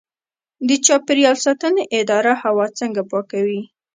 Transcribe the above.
د چاپیریال ساتنې اداره هوا څنګه پاکوي؟